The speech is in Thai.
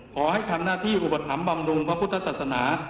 ขอให้ทำหน้าที่อุปถัมภำรุงพระพุทธศาสนา